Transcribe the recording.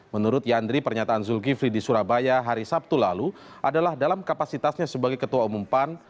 menurut yandri pernyataan zulkifli di surabaya hari sabtu lalu adalah dalam kapasitasnya sebagai ketua umum pan